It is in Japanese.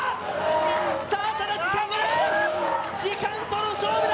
さあ、ただ時間がない、時間との勝負だ。